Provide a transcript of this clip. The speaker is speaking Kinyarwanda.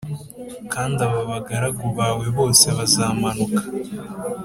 Kandi aba bagaragu bawe bose bazamanuka